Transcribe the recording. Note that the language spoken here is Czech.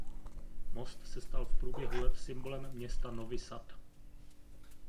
Most se stal v průběhu let symbolem města Novi Sad.